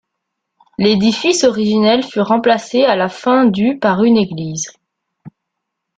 L’édifice originel fut remplacé à la fin du par une église.